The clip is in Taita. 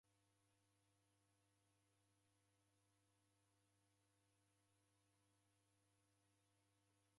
Agha matuku w'alodi w'a tee ni w'engi